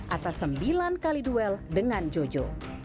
atas sembilan kali duel dengan jojo